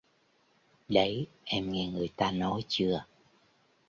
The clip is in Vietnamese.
Đấy em nghe người ta nói chưa